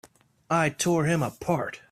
I tore him apart!